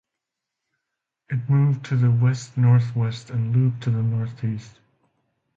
It moved to the west-northwest, and looped to the northeast.